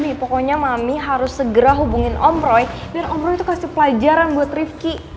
mami pokoknya mami harus segera hubungin om roy biar om roy tuh kasih pelajaran buat rifki